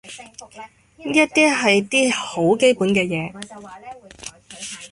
呢一啲係啲好基本嘅嘢